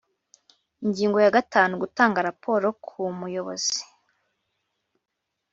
Ingingo ya gatanu Gutanga raporo ku Muyobozi